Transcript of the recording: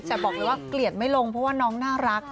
แต่บอกเลยว่าเกลียดไม่ลงเพราะว่าน้องน่ารัก